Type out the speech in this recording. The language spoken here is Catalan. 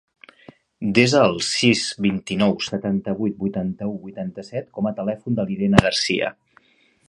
Desa el sis, vint-i-nou, setanta-vuit, vuitanta-u, vuitanta-set com a telèfon de l'Irene Garcia.